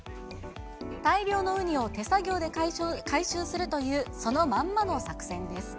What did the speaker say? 大量のウニを手作業で回収するという、そのまんまの作戦です。